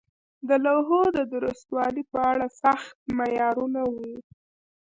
د لوحو د درستوالي په اړه سخت معیارونه وو.